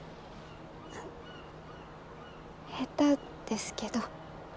下手ですけど。